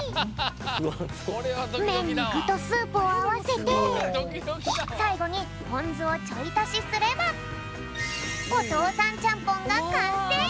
めんにぐとスープをあわせてさいごにポンずをちょいたしすればおとうさんちゃんぽんがかんせい！